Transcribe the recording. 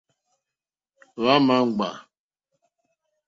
Hwá ǃma ŋɡbà.